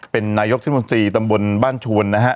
เป็นนายกเศรษฐบนตรีตำบลบ้านชวน